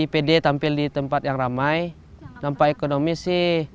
pd tampil di tempat yang ramai nampak ekonomi sih